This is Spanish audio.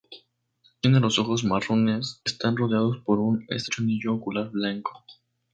Tiene los ojos marrones, que están rodeados por un estrecho anillo ocular blanco.